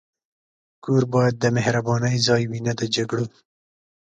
کور باید د مهربانۍ ځای وي، نه د جګړو.